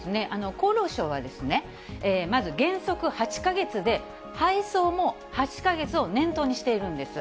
厚労省は、まず原則８か月で配送も８か月を念頭にしているんです。